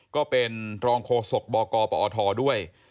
ก็เป็นรองโฆษกบกปอทด้วย